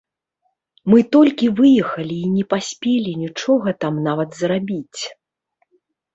Мы толькі выехалі і не паспелі нічога там нават зрабіць.